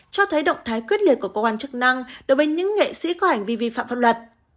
cho thấy động thái quyết liệt của cơ quan chức năng đối với những nghệ sĩ có hành vi vi phạm pháp luật